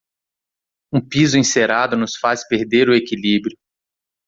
Um piso encerado nos faz perder o equilíbrio.